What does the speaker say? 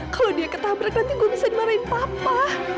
kalau dia ketabrak nanti gue bisa dimarahin papa